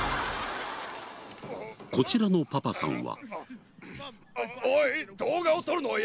こちらのパパさんは。